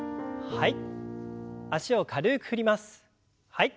はい。